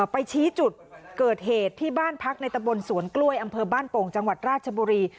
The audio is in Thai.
ไปชี้จุดเกิดเหตุที่บ้านพักในตะบนสวนกล้วยอำเภอบ้านโป่งจังหวัดราชบุรี